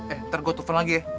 eh nanti gue tuker lagi ya